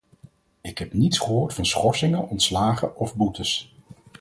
Ik heb niets gehoord van schorsingen, ontslagen of boetes.